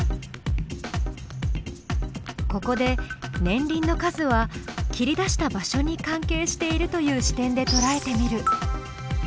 ここで「年輪の数」は「切り出した場所」に関係しているという視点でとらえてみる。